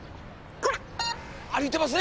歩いてますねえ！